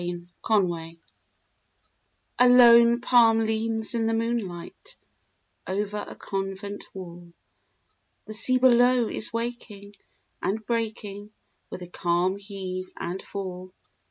THE NUN A lone palm leans in the moonlight, Over a convent wall. The sea below is waking and breaking With a calm heave and fall.